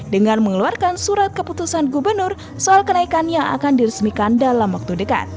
dengan mengeluarkan surat keputusan gubernur soal kenaikan yang akan diresmikan dalam waktu dekat